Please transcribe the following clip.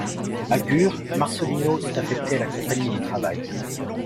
À Gurs, Marcelino est affecté à la compagnie de travail.